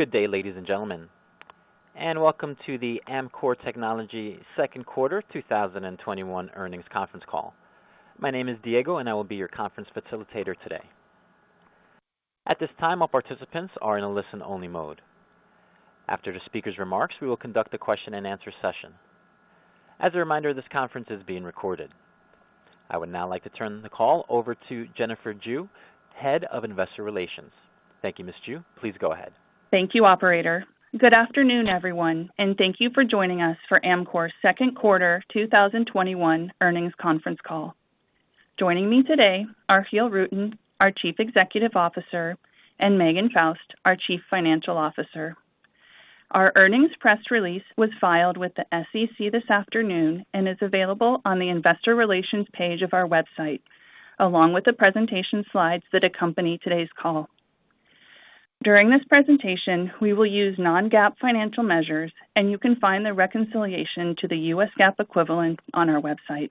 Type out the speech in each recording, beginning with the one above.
Good day, ladies and gentlemen, and welcome to the Amkor Technology Q2 2021 earnings conference call. My name is Diego, and I will be your conference facilitator today. At this time, all participants are in a listen-only mode. After the speaker's remarks, we will conduct a question-and-answer session. As a reminder, this conference is being recorded. I would now like to turn the call over to Jennifer Jue, Head of Investor Relations. Thank you, Ms. Jue. Please go ahead. Thank you, operator. Good afternoon, everyone, and thank you for joining us for Amkor's Q2 2021 earnings conference call. Joining me today are Giel Rutten, our Chief Executive Officer, and Megan Faust, our Chief Financial Officer. Our earnings press release was filed with the SEC this afternoon and is available on the investor relations page of our website, along with the presentation slides that accompany today's call. During this presentation, we will use non-GAAP financial measures, and you can find the reconciliation to the US GAAP equivalent on our website.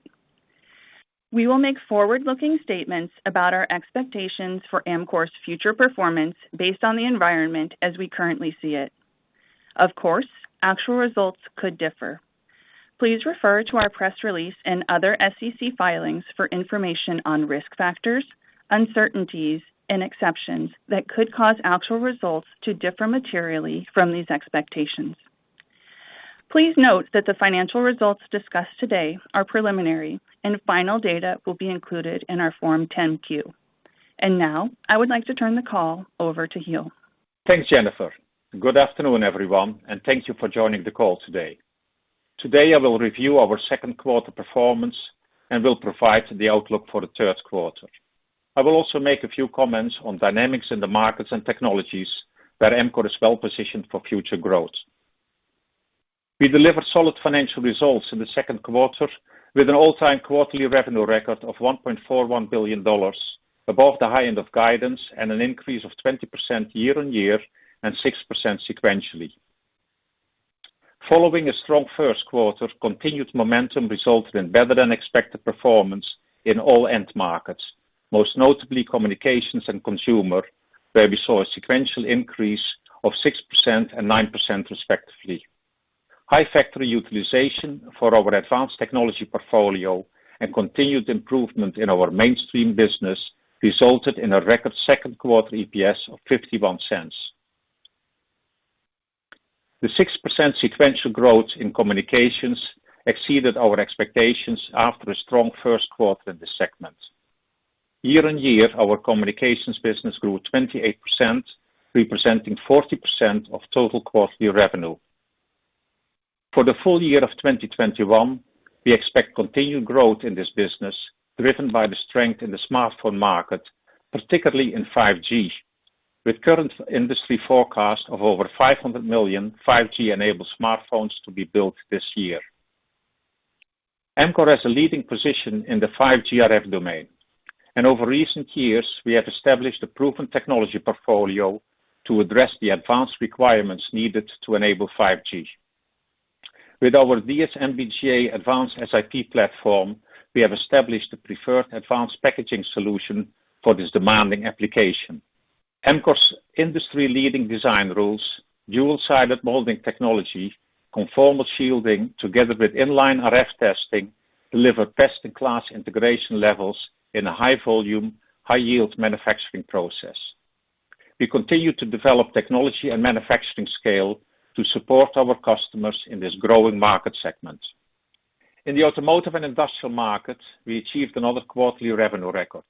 We will make forward-looking statements about our expectations for Amkor's future performance based on the environment as we currently see it. Of course, actual results could differ. Please refer to our press release and other SEC filings for information on risk factors, uncertainties, and exceptions that could cause actual results to differ materially from these expectations. Please note that the financial results discussed today are preliminary, and final data will be included in our Form 10-Q. Now, I would like to turn the call over to Giel. Thanks, Jennifer. Good afternoon, everyone, and thank you for joining the call today. Today, I will review our Q2 performance and will provide the outlook for the Q3. I will also make a few comments on dynamics in the markets and technologies where Amkor is well-positioned for future growth. We delivered solid financial results in the Q2 with an all-time quarterly revenue record of $1.41 billion, above the high end of guidance and an increase of 20% year-on-year and 6% sequentially. Following a strong Q1, continued momentum resulted in better-than-expected performance in all end markets, most notably communications and consumer, where we saw a sequential increase of 6% and 9% respectively. High factory utilization for our advanced technology portfolio and continued improvement in our mainstream business resulted in a record Q2 EPS of $0.51. The 6% sequential growth in communications exceeded our expectations after a strong Q1 in this segment. Year-on-year, our communications business grew 28%, representing 40% of total quarterly revenue. For the full-year of 2021, we expect continued growth in this business, driven by the strength in the smartphone market, particularly in 5G, with current industry forecast of over 500 million 5G-enabled smartphones to be built this year. Amkor has a leading position in the 5G RF domain, and over recent years, we have established a proven technology portfolio to address the advanced requirements needed to enable 5G. With our DSMBGA Advanced SiP platform, we have established a preferred advanced packaging solution for this demanding application. Amkor's industry-leading design rules, dual-sided molding technology, conformal shielding, together with in-line RF testing, deliver best-in-class integration levels in a high-volume, high-yield manufacturing process. We continue to develop technology and manufacturing scale to support our customers in this growing market segment. In the automotive and industrial markets, we achieved another quarterly revenue record.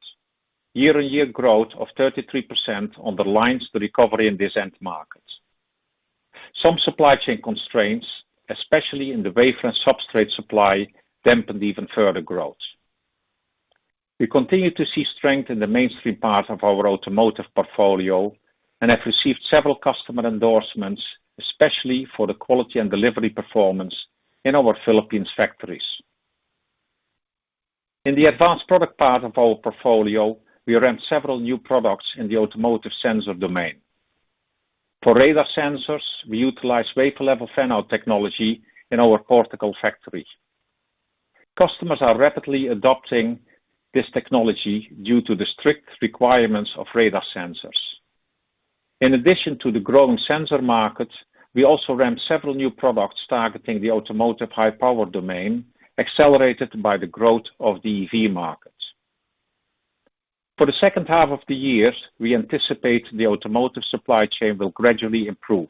Year-on-year growth of 33% underlines the recovery in these end markets. Some supply chain constraints, especially in the wafer and substrate supply, dampened even further growth. We continue to see strength in the mainstream part of our automotive portfolio and have received several customer endorsements, especially for the quality and delivery performance in our Philippines factories. In the advanced product part of our portfolio, we ramped several new products in the automotive sensor domain. For radar sensors, we utilize wafer-level fan-out technology in our Portugal factory. Customers are rapidly adopting this technology due to the strict requirements of radar sensors. In addition to the growing sensor market, we also ramped several new products targeting the automotive high-power domain, accelerated by the growth of the EV markets. For the H2 of the year, we anticipate the automotive supply chain will gradually improve,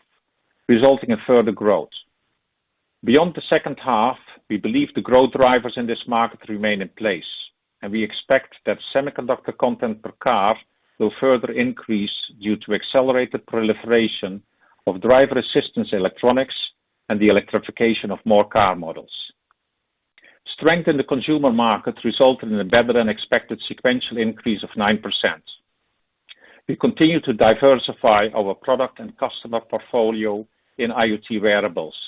resulting in further growth. Beyond the H2, we believe the growth drivers in this market remain in place. We expect that semiconductor content per car will further increase due to accelerated proliferation of driver assistance electronics and the electrification of more car models. Strength in the consumer market resulted in a better-than-expected sequential increase of 9%. We continue to diversify our product and customer portfolio in IoT wearables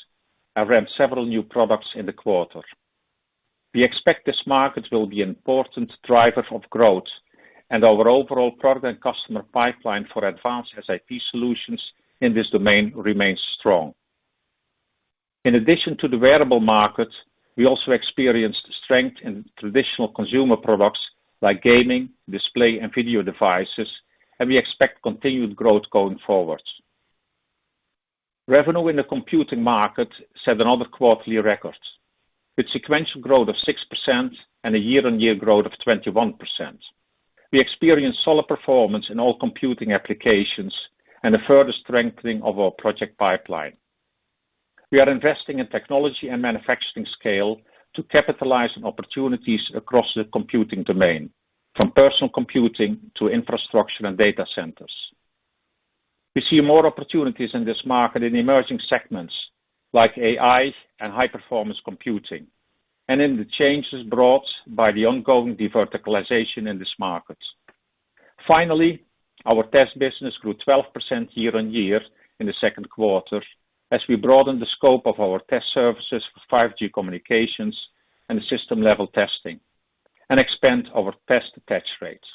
and ramped several new products in the quarter. We expect this market will be an important driver of growth, and our overall product and customer pipeline for Advanced SiP solutions in this domain remains strong. In addition to the wearable market, we also experienced strength in traditional consumer products like gaming, display, and video devices, and we expect continued growth going forward. Revenue in the computing market set another quarterly record, with sequential growth of 6% and a year-on-year growth of 21%. We experienced solid performance in all computing applications and a further strengthening of our project pipeline. We are investing in technology and manufacturing scale to capitalize on opportunities across the computing domain, from personal computing to infrastructure and data centers. We see more opportunities in this market in emerging segments like AI and high-performance computing, and in the changes brought by the ongoing deverticalization in this market. Our test business grew 12% year-on-year in the Q2 as we broaden the scope of our test services for 5G communications and the system-level testing and expand our test attach rates.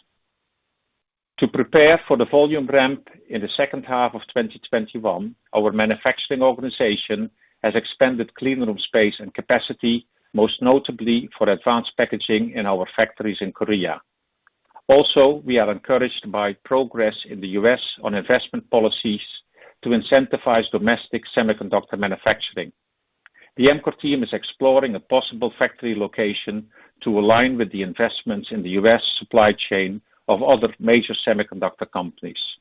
To prepare for the volume ramp in the H2 of 2021, our manufacturing organization has expanded clean room space and capacity, most notably for Advanced Packaging in our factories in Korea. We are encouraged by progress in the U.S. on investment policies to incentivize domestic semiconductor manufacturing. The Amkor team is exploring a possible factory location to align with the investments in the U.S. supply chain of other major semiconductor companies.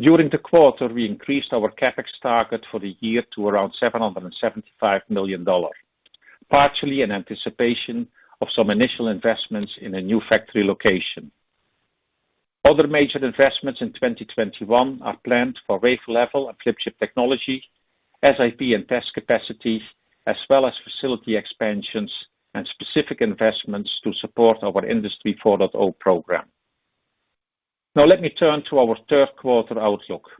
During the quarter, we increased our CapEx target for the year to around $775 million, partially in anticipation of some initial investments in a new factory location. Other major investments in 2021 are planned for wafer-level and flip chip technology, SiP and test capacity, as well as facility expansions and specific investments to support our Industry 4.0 program. Now let me turn to our Q3 outlook.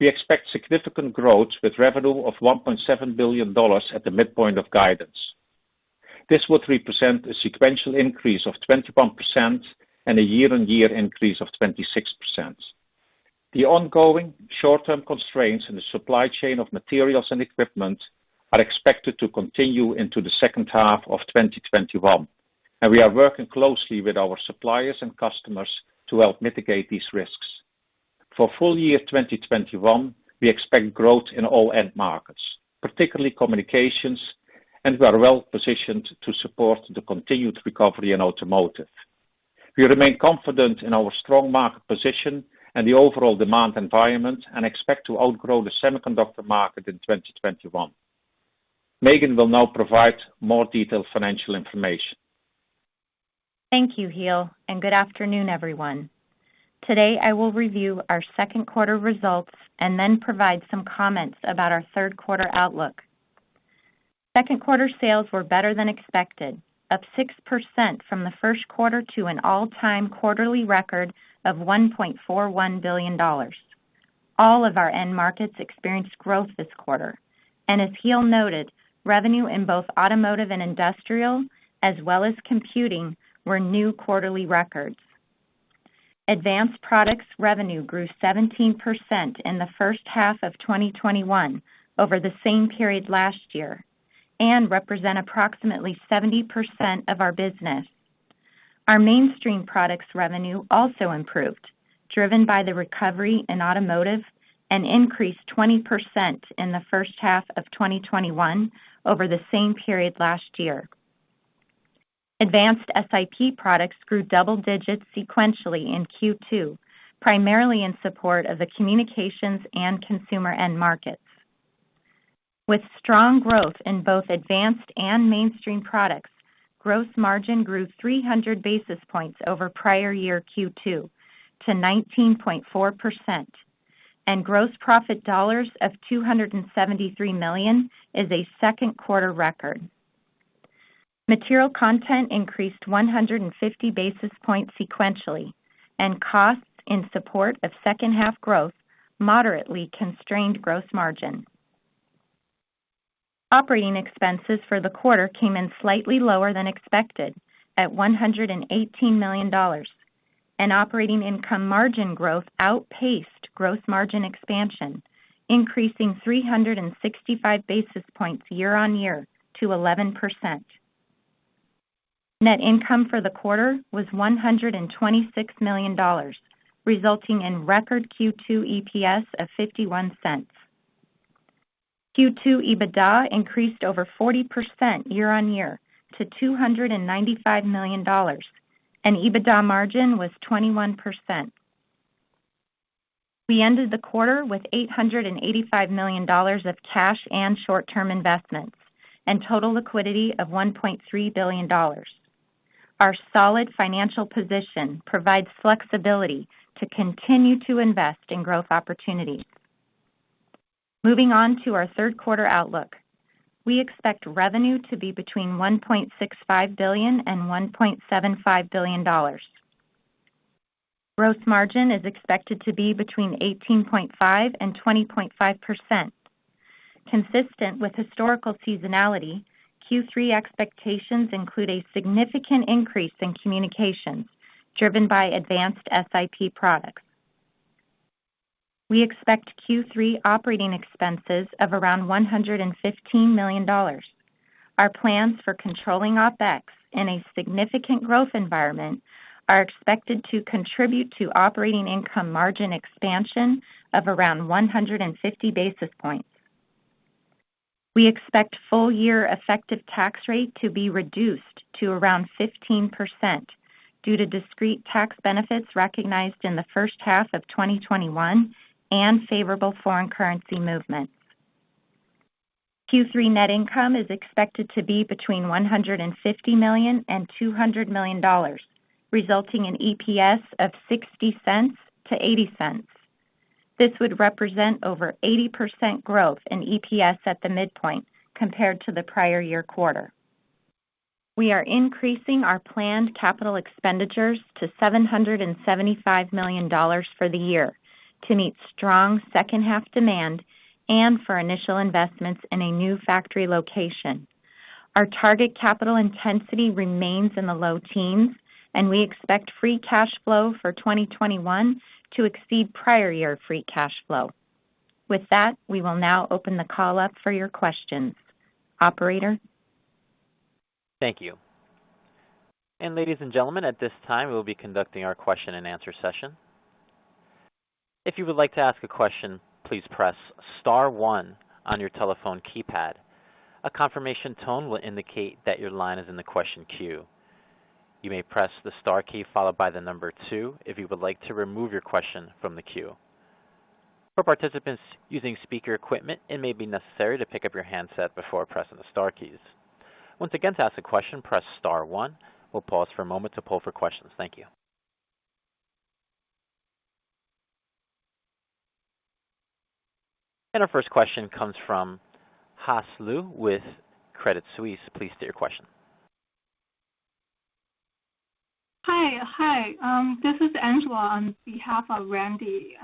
We expect significant growth with revenue of $1.7 billion at the midpoint of guidance. This would represent a sequential increase of 21% and a year-on-year increase of 26%. The ongoing short-term constraints in the supply chain of materials and equipment are expected to continue into the H2 of 2021. We are working closely with our suppliers and customers to help mitigate these risks. For full-year 2021, we expect growth in all end markets, particularly communications. We are well-positioned to support the continued recovery in automotive. We remain confident in our strong market position and the overall demand environment and expect to outgrow the semiconductor market in 2021. Megan will now provide more detailed financial information. Thank you, Giel, and good afternoon, everyone. Today, I will review our Q2 results and then provide some comments about our Q3 outlook. Q2 sales were better than expected, up 6% from the Q1 to an all-time quarterly record of $1.41 billion. All of our end markets experienced growth this quarter, and as Giel noted, revenue in both automotive and industrial, as well as computing, were new quarterly records. Advanced products revenue grew 17% in the H1 of 2021 over the same period last year and represent approximately 70% of our business. Our mainstream products revenue also improved, driven by the recovery in automotive, and increased 20% in the H1 of 2021 over the same period last year. Advanced SiP products grew double digits sequentially in Q2, primarily in support of the communications and consumer end markets. With strong growth in both advanced and mainstream products, gross margin grew 300 basis points over prior year Q2 to 19.4%, and gross profit dollars of $273 million is a Q2 record. Material content increased 150 basis points sequentially, and costs in support of H2 growth moderately constrained gross margin. Operating expenses for the quarter came in slightly lower than expected at $118 million, and operating income margin growth outpaced gross margin expansion, increasing 365 basis points year-on-year to 11%. Net income for the quarter was $126 million, resulting in record Q2 EPS of $0.51. Q2 EBITDA increased over 40% year-on-year to $295 million, and EBITDA margin was 21%. We ended the quarter with $885 million of cash and short-term investments and total liquidity of $1.3 billion. Our solid financial position provides flexibility to continue to invest in growth opportunities. Moving on to our Q3 outlook. We expect revenue to be between $1.65 billion and $1.75 billion. Gross margin is expected to be between 18.5% and 20.5%. Consistent with historical seasonality, Q3 expectations include a significant increase in communications, driven by Advanced SiP products. We expect Q3 operating expenses of around $115 million. Our plans for controlling OpEx in a significant growth environment are expected to contribute to operating income margin expansion of around 150 basis points. We expect full-year effective tax rate to be reduced to around 15% due to discrete tax benefits recognized in the H1 of 2021 and favorable foreign currency movements. Q3 net income is expected to be between $150 million and $200 million, resulting in EPS of $0.60-$0.80. This would represent over 80% growth in EPS at the midpoint compared to the prior year quarter. We are increasing our planned capital expenditures to $775 million for the year to meet strong H2 demand and for initial investments in a new factory location. Our target capital intensity remains in the low teens, and we expect free cash flow for 2021 to exceed prior year free cash flow. With that, we will now open the call up for your questions. Operator? Thank you. Ladies and gentlemen, at this time we will be conducting our question-and-answer session. If you would like to ask a question, please press star one on your telephone keypad. A confirmation tone will indicate that your line is in the question queue. You may press the star key followed by the number two if you would like to remove your question from the queue. For participants using speaker equipment, it may be necessary to pick up your handset before pressing the star keys. Once again, to ask a question, press star one. We'll pause for a moment to poll for questions. Thank you. Our first question comes from [inaudible] with Credit Suisse. Please state your question. Hi. This is Angela on behalf of Randy,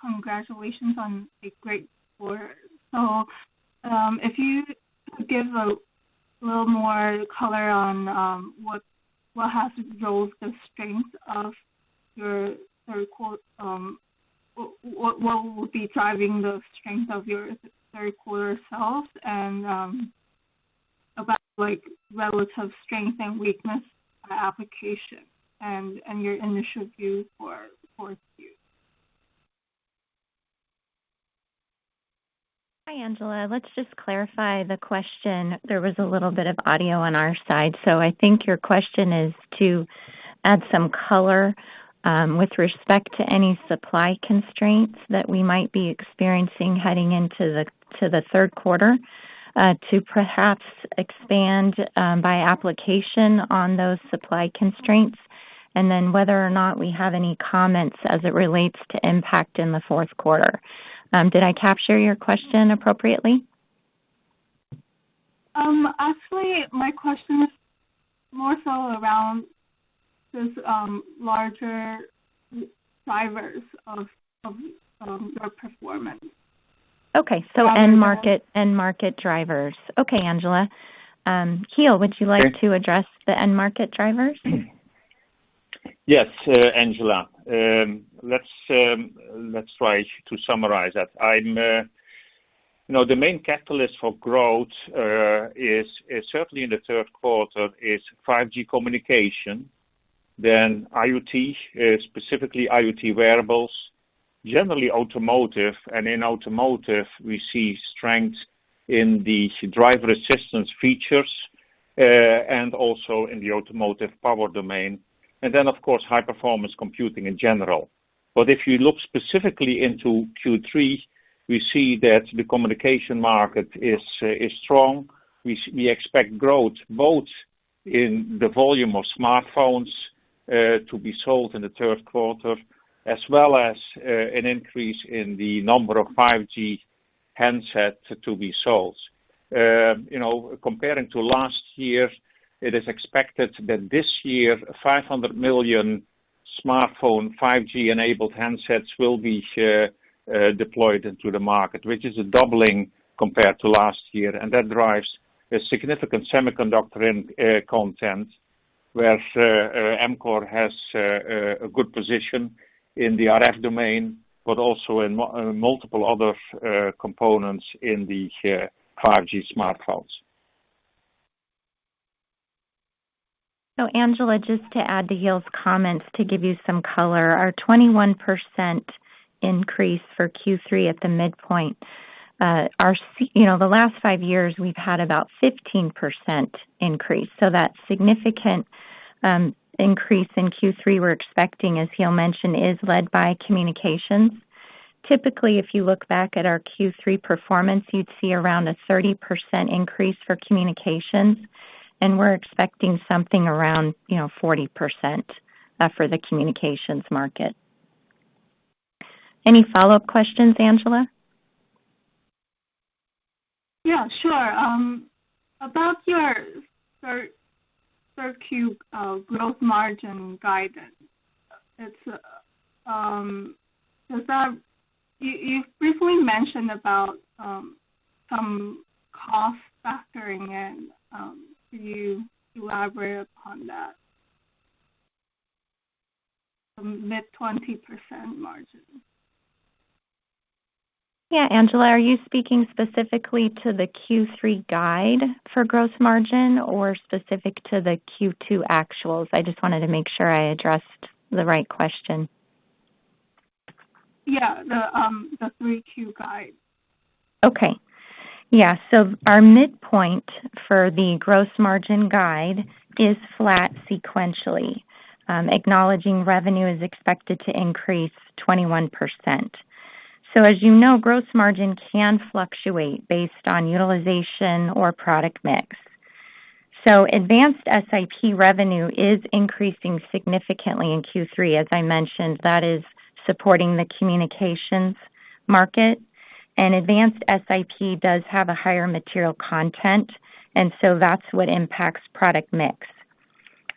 congratulations on a great quarter. If you give a little more color on what will be driving the strength of your Q3 sales, and about relative strength and weakness by application and your initial view for Q4. Hi, Angela. Let's just clarify the question. There was a little bit of audio on our side. I think your question is to add some color with respect to any supply constraints that we might be experiencing heading into the Q3, to perhaps expand by application on those supply constraints, and then whether or not we have any comments as it relates to impact in the Q4. Did I capture your question appropriately? Actually, my question is more so around those larger drivers of your performance. Okay. End market drivers. Okay, Angela. Giel, would you like to address the end market drivers? Yes, Angela. Let's try to summarize that. The main catalyst for growth, certainly in the Q3, is 5G communication, then IoT, specifically IoT wearables, generally automotive, and in automotive, we see strength in the driver assistance features, and also in the automotive power domain. Of course, high-performance computing in general. If you look specifically into Q3, we see that the communication market is strong. We expect growth both in the volume of smartphones to be sold in the Q3, as well as an increase in the number of 5G handsets to be sold. Comparing to last year, it is expected that this year, 500 million smartphone 5G-enabled handsets will be deployed into the market, which is a doubling compared to last year, and that drives a significant semiconductor end content, where Amkor has a good position in the RF domain, but also in multiple other components in the 5G smartphones. Angela, just to add to Giel's comments, to give you some color, our 21% increase for Q3 at the midpoint. The last five years, we've had about 15% increase. That significant increase in Q3 we're expecting, as Giel mentioned, is led by communications. Typically, if you look back at our Q3 performance, you'd see around a 30% increase for communications, and we're expecting something around 40% for the communications market. Any follow-up questions, Angela? Yeah, sure. About your Q3 gross margin guidance. You briefly mentioned about some cost factoring in. Can you elaborate upon that? The mid 20% margin. Yeah, Angela, are you speaking specifically to the Q3 guide for gross margin or specific to the Q2 actuals? I just wanted to make sure I addressed the right question. Yeah, the Q3 guide. Okay. Yeah. Our midpoint for the gross margin guide is flat sequentially, acknowledging revenue is expected to increase 21%. As you know, gross margin can fluctuate based on utilization or product mix. Advanced SiP revenue is increasing significantly in Q3, as I mentioned, that is supporting the communications market, and Advanced SiP does have a higher material content, and so that's what impacts product mix.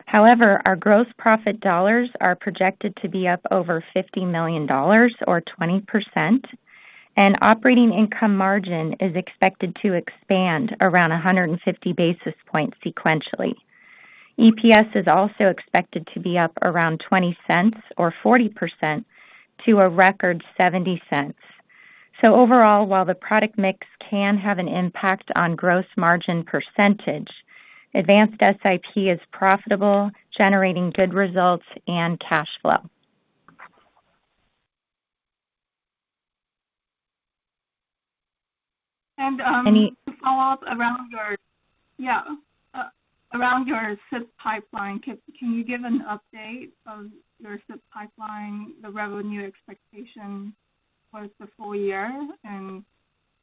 However, our gross profit dollars are projected to be up over $50 million, or 20%, and operating income margin is expected to expand around 150 basis points sequentially. EPS is also expected to be up around $0.20 or 40% to a record $0.70. Overall, while the product mix can have an impact on gross margin percentage, Advanced SiP is profitable, generating good results and cash flow. And- Any- To follow up, around your SiP pipeline, can you give an update of your SiP pipeline, the revenue expectation for the full-year, and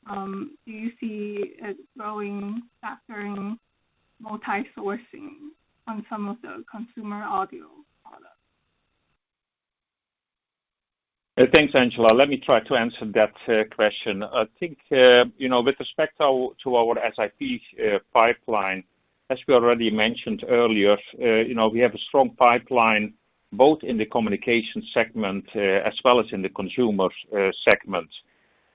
do you see it growing factoring multi-sourcing on some of the consumer audio products? Thanks, Angela. Let me try to answer that question. I think, with respect to our SiP pipeline, as we already mentioned earlier, we have a strong pipeline, both in the communication segment as well as in the consumer segment.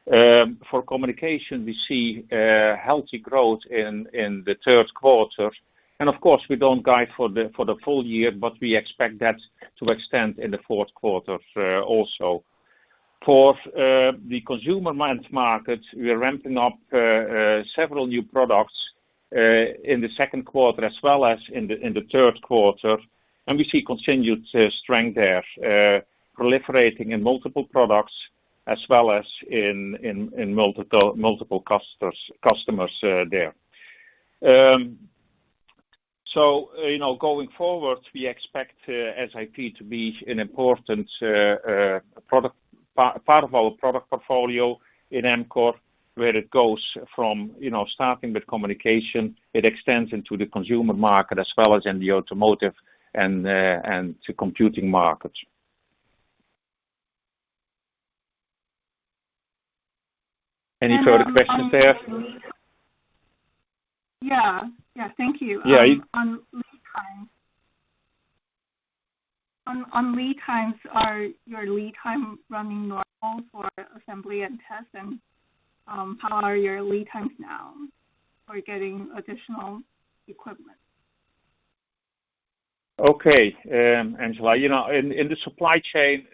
For communication, we see healthy growth in the Q3. Of course, we don't guide for the full-year, but we expect that to extend in the Q4, also. For the consumer markets, we are ramping up several new products, in the Q2 as well as in the Q3. We see continued strength there, proliferating in multiple products as well as in multiple customers there. Going forward, we expect SiP to be an important part of our product portfolio in Amkor, where it goes from starting with communication, it extends into the consumer market as well as in the automotive and to computing markets. Any further questions there? Yeah. Thank you. Yeah. On lead times, are your lead times running normal for assembly and test, and, how are your lead times now? Are you getting additional equipment? Okay. Angela, in the supply chain,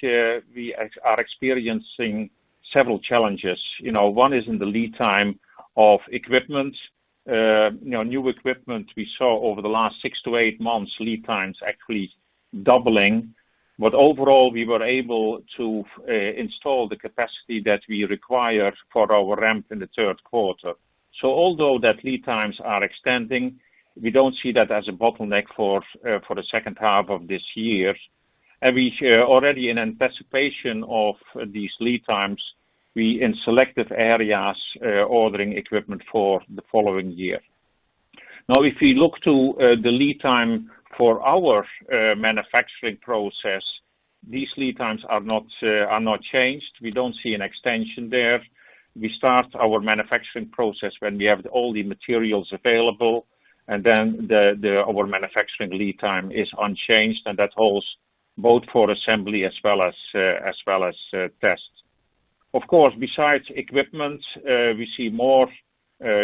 we are experiencing several challenges. One is in the lead time of equipment. New equipment, we saw over the last six to eight months, lead times actually doubling. Overall, we were able to install the capacity that we required for our ramp in the Q3. Although the lead times are extending, we don't see that as a bottleneck for the H2 of this year. We, already in anticipation of these lead times, we, in selective areas, are ordering equipment for the following year. If we look to the lead time for our manufacturing process, these lead times are not changed. We don't see an extension there. We start our manufacturing process when we have all the materials available, and then our manufacturing lead time is unchanged, and that holds both for assembly as well as test. Of course, besides equipment, we see more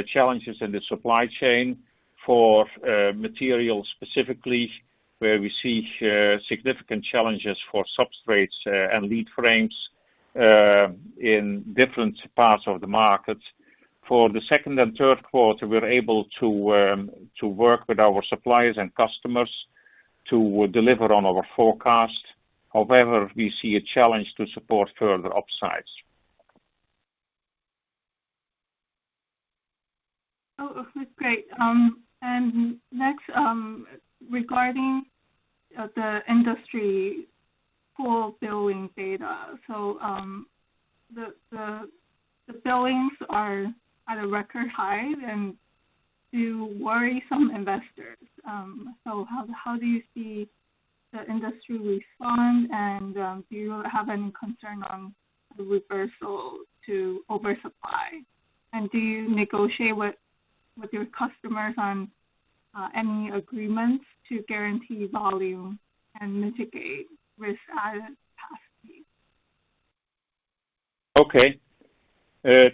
challenges in the supply chain for materials, specifically, where we see significant challenges for substrates and lead frames in different parts of the market. For the second and Q3, we're able to work with our suppliers and customers to deliver on our forecast. However, we see a challenge to support further upsides. Oh, that's great. Next, regarding the industry full billing data. The billings are at a record high and do worry some investors. How do you see the industry respond, and, do you have any concern on the reversal to oversupply? Do you negotiate with your customers on any agreements to guarantee volume and mitigate risk capacity? Okay.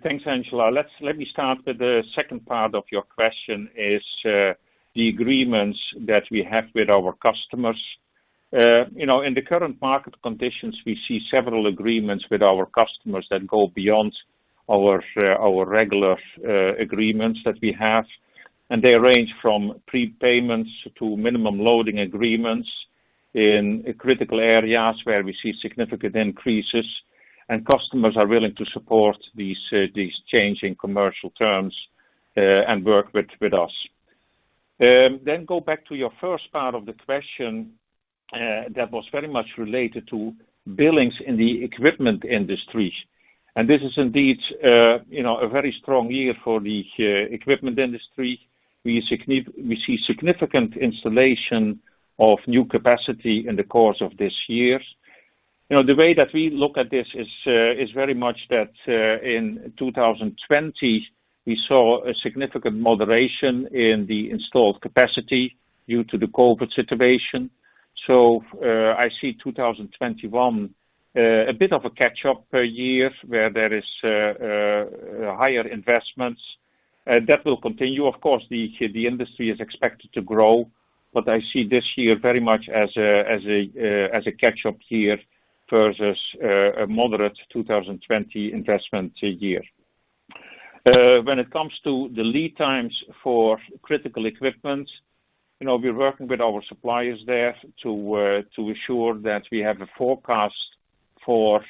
Thanks, Angela. Let me start with the second part of your question is, the agreements that we have with our customers. In the current market conditions, we see several agreements with our customers that go beyond our regular agreements that we have. They range from prepayments to minimum loading agreements in critical areas where we see significant increases. Customers are willing to support these changing commercial terms, and work with us. Go back to your first part of the question, that was very much related to billings in the equipment industry. This is indeed a very strong year for the equipment industry. We see significant installation of new capacity in the course of this year. The way that we look at this is very much that, in 2020, we saw a significant moderation in the installed capacity due to the COVID situation. I see 2021 a bit of a catch-up year where there is higher investments. That will continue. Of course, the industry is expected to grow, but I see this year very much as a catch-up year versus a moderate 2020 investment year. When it comes to the lead times for critical equipment, we're working with our suppliers there to ensure that we have a forecast for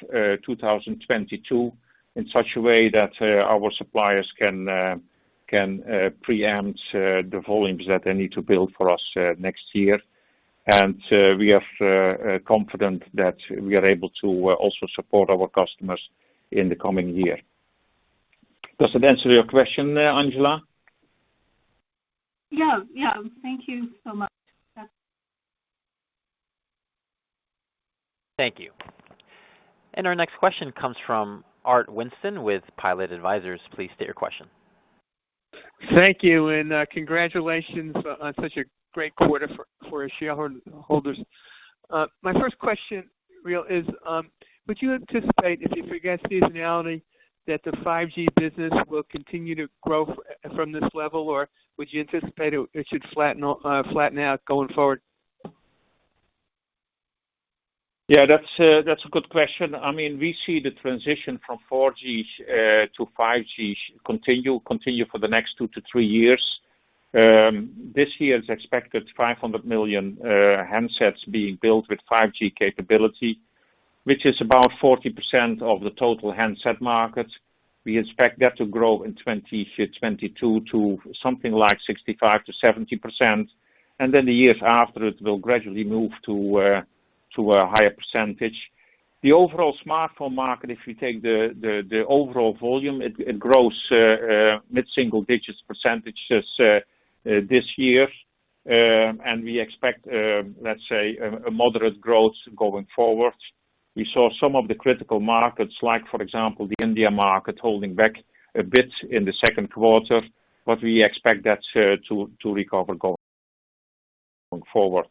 2022 in such a way that our suppliers can preempt the volumes that they need to build for us next year. We are confident that we are able to also support our customers in the coming year. Does that answer your question there, Angela? Yeah. Thank you so much. Thank you. Our next question comes from Art Winston with Pilot Advisors. Please state your question. Thank you. Congratulations on such a great quarter for shareholders. My first question, Giel, would you anticipate, if you forget seasonality, that the 5G business will continue to grow from this level, or would you anticipate it should flatten out going forward? Yeah, that's a good question. We see the transition from 4G to 5G continue for the next 2-3 years. This year, it's expected 500 million handsets being built with 5G capability, which is about 40% of the total handset market. We expect that to grow in 2022 to something like 65%-70%, and then the years after, it will gradually move to a higher percentage. The overall smartphone market, if you take the overall volume, it grows mid-single digits percentages this year, and we expect, let's say, a moderate growth going forward. We saw some of the critical markets, like, for example, the India market, holding back a bit in the Q2, but we expect that to recover going forward.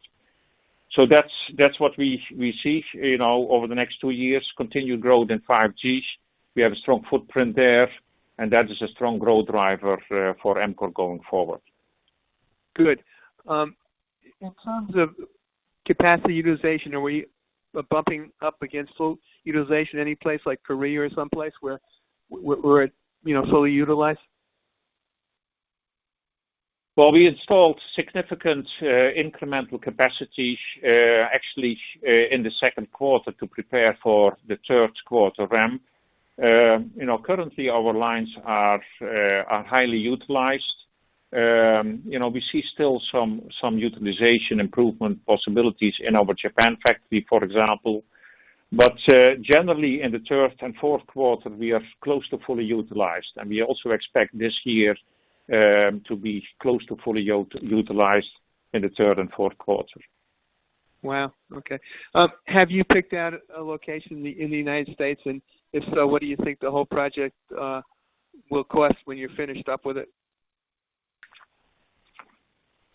That's what we see, over the next two years, continued growth in 5G. We have a strong footprint there, and that is a strong growth driver for Amkor going forward. Good. In terms of capacity utilization, are we bumping up against full utilization any place like Korea or someplace where we're at fully utilized? Well, we installed significant incremental capacity, actually, in the Q2 to prepare for the Q3 ramp. Currently, our lines are highly utilized. We see still some utilization improvement possibilities in our Japan factory, for example. Generally, in the third and Q4, we are close to fully utilized, and we also expect this year to be close to fully utilized in the third and Q4s. Wow, okay. Have you picked out a location in the United States? If so, what do you think the whole project will cost when you're finished up with it?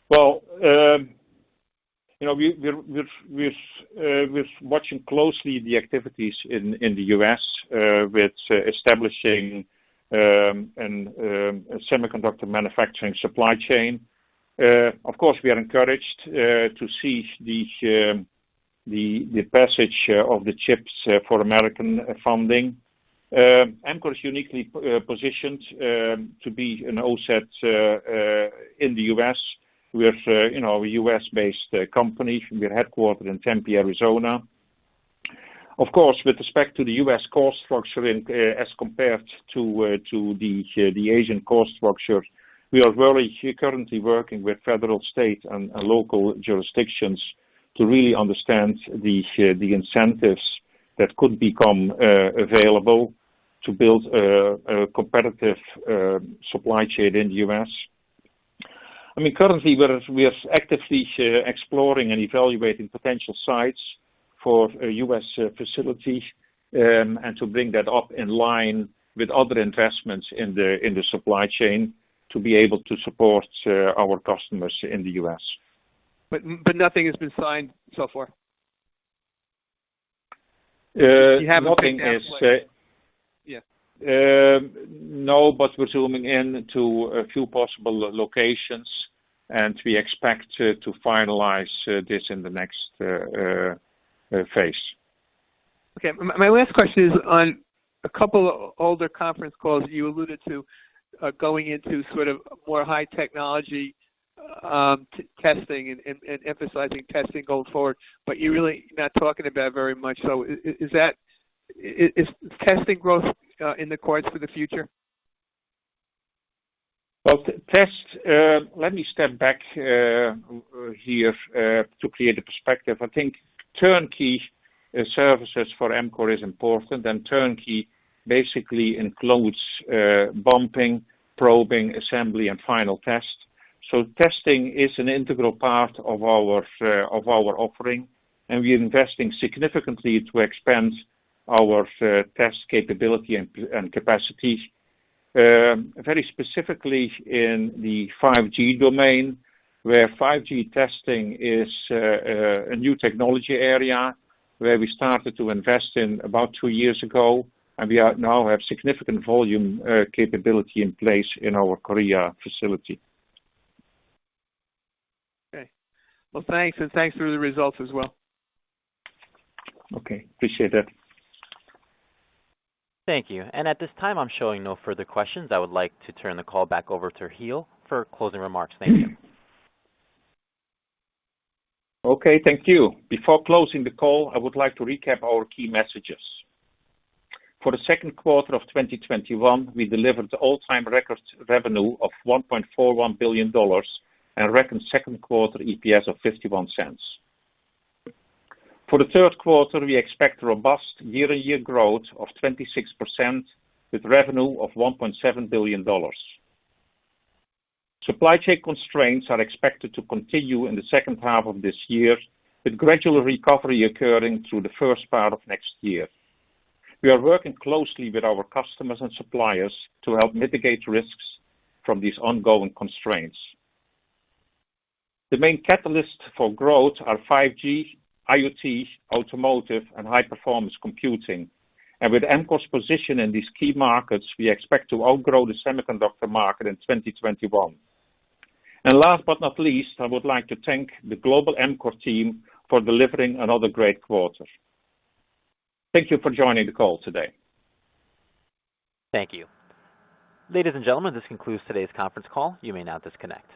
Well, we're watching closely the activities in the U.S. with establishing a semiconductor manufacturing supply chain. Of course, we are encouraged to see the passage of the CHIPS for America Act. Amkor is uniquely positioned to be an OSAT in the U.S. We're a U.S.-based company. We're headquartered in Tempe, Arizona. Of course, with respect to the U.S. cost structure as compared to the Asian cost structure, we are really currently working with federal, state, and local jurisdictions to really understand the incentives that could become available to build a competitive supply chain in the U.S. Currently, we are actively exploring and evaluating potential sites for a U.S. facility and to bring that up in line with other investments in the supply chain to be able to support our customers in the U.S. Nothing has been signed so far? Nothing is. You have a... Yes. No, but we're zooming in to a few possible locations, and we expect to finalize this in the next phase. Okay. My last question is on a couple older conference calls, you alluded to going into sort of more high-technology testing and emphasizing testing going forward, but you're really not talking about it very much. Is testing growth in the cards for the future? Well, let me step back here to create a perspective. I think turnkey services for Amkor is important, and turnkey basically includes bumping, probing, assembly, and final test. Testing is an integral part of our offering, and we are investing significantly to expand our test capability and capacity, very specifically in the 5G domain, where 5G testing is a new technology area where we started to invest in about two years ago, and we now have significant volume capability in place in our Korea facility. Well, thanks, and thanks for the results as well. Okay, appreciate that. Thank you. At this time, I'm showing no further questions. I would like to turn the call back over to Giel for closing remarks. Thank you. Thank you. Before closing the call, I would like to recap our key messages. For the Q2 of 2021, we delivered all-time record revenue of $1.41 billion and record Q2 EPS of $0.51. For the Q3, we expect robust year-on-year growth of 26%, with revenue of $1.7 billion. Supply chain constraints are expected to continue in the H2 of this year, with gradual recovery occurring through the first part of next year. We are working closely with our customers and suppliers to help mitigate risks from these ongoing constraints. The main catalysts for growth are 5G, IoT, automotive, and high-performance computing. With Amkor's position in these key markets, we expect to outgrow the semiconductor market in 2021. Last but not least, I would like to thank the global Amkor team for delivering another great quarter. Thank you for joining the call today. Thank you. Ladies and gentlemen, this concludes today's conference call. You may now disconnect.